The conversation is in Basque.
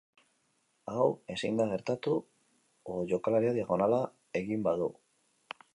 Hau ezin da gertatu, o jokalariak diagonala egin badu.